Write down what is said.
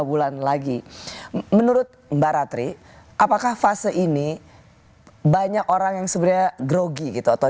tiga bulan lagi menurut mbak ratri apakah fase ini banyak orang yang sebenarnya grogi gitu atau